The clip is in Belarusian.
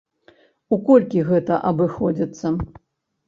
У колькі гэта абыходзіцца?